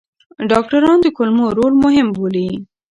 ډاکټران د کولمو رول مهم بولي.